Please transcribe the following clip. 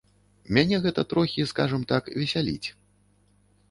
Мяне гэта трохі, скажам так, весяліць.